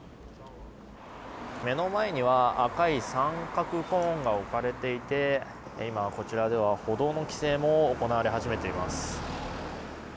目の前には赤い三角コーンが置かれていて今、こちらでは歩道の規制も行われ始めています。